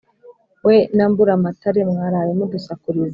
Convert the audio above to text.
We na Mburamatare mwaraye mudusakurize